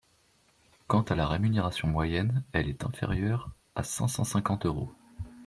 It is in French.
Quant à la rémunération moyenne, elle est inférieure à cinq cent cinquante euros.